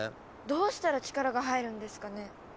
どうしたら力が入るんですかね？